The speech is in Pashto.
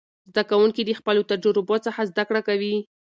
زده کوونکي د خپلو تجربو څخه زده کړه کوي.